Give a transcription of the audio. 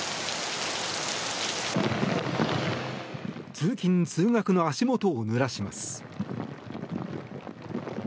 通勤・通学の足元をぬらします。